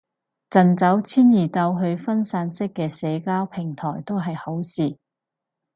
盡早遷移到去分散式嘅社交平台都係好事